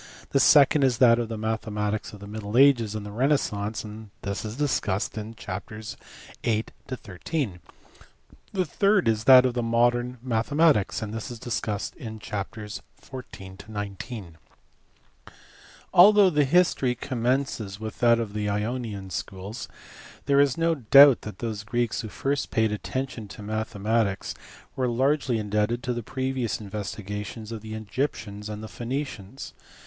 : the second is that of the mathematics of the middle ages and the renaissance, this is discussed in chapters VIH. to xiu. : the third is that of modern mathematics, and this is discussed in chapters xiv. to xix. Although the history commences with that of the Ionian schools, there is no doubt that those Greeks who first paid attention to mathematics were largely indebted to the previous investigations of the Egyptians and Phoenicians.